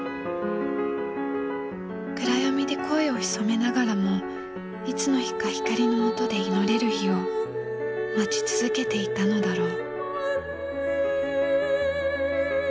暗闇で声を潜めながらもいつの日か光の下で祈れる日を待ち続けていたのだろう。